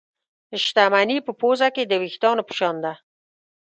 شتمني په پوزه کې د وېښتانو په شان ده.